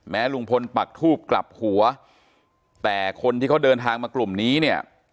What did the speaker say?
ลุงพลปักทูบกลับหัวแต่คนที่เขาเดินทางมากลุ่มนี้เนี่ย